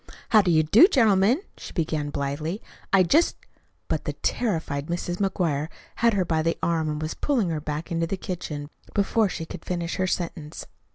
"How do you do, gentlemen," she began blithely. "I just " But the terrified Mrs. McGuire had her by the arm and was pulling her back into the kitchen before she could finish her sentence.